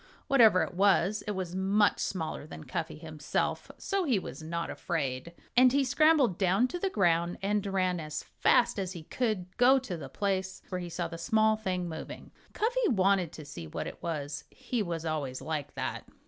Whatever it was, it was much smaller than Cuffy himself, so he was not afraid. And he scrambled down to the ground and ran as fast as he could go to the place where he saw the small thing moving. Cuffy wanted to see what it was. He was always like that.